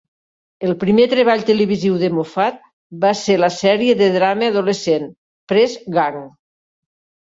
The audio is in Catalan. El primer treball televisiu de Moffat va ser la sèrie de drama adolescent "Press Gang".